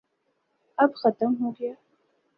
اب ختم ہوگیا۔